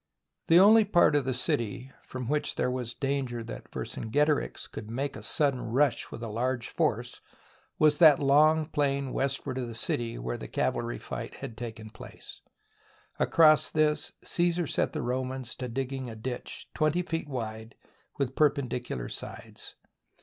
The only part of the city from which there was danger that Vercingetorix could make a sudden rush with a large force was that long plain west ward of the city where the cavalry fight had taken place. Across this Cassar set the Romans to digging a ditch, twenty feet wide, with perpendicular sides.